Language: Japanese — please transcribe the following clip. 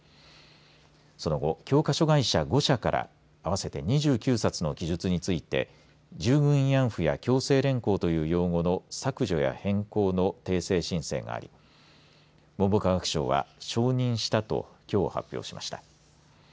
その後、教科書会社５社から合わせて２９冊の記述について従軍慰安婦や強制連行という用語の削除や変更の訂正申請があり文部科学省は承認したときょう発表しました。